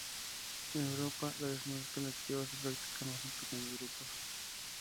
En Europa, la desnudez colectiva se practica más en pequeños grupos.